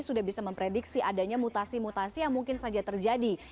sudah bisa memprediksi adanya mutasi mutasi yang mungkin saja terjadi